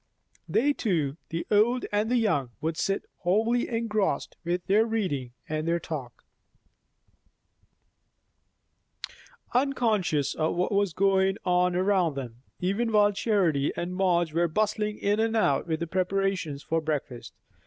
They two, the old and the young, would sit wholly engrossed with their reading and their talk, unconscious of what was going on around them; even while Charity and Madge were bustling in and out with the preparations for breakfast.